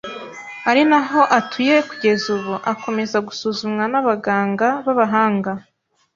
ari naho atuye kugeza ubu, akomeza gusuzumwa n’abaganga b’abahanga